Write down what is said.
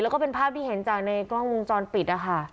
แล้วก็เป็นภาพที่เห็นจากกล้องมุมจรปิด